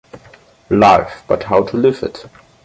Life… But how to live it?